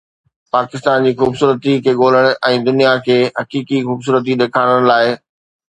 پاڪستان جي خوبصورتي کي ڳولڻ ۽ دنيا کي حقيقي خوبصورتي ڏيکارڻ لاء